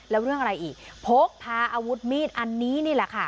แล้วเรื่องอะไรอีกพกพาอาวุธมีดอันนี้นี่แหละค่ะ